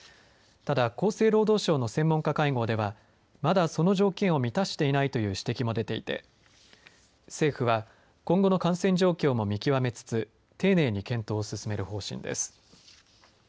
ただ厚生労働省の専門家会合ではまだその条件を満たしていないという指摘も出ていて政府は今後の感染状況も見極めつつ丁寧に検討を進める方針です。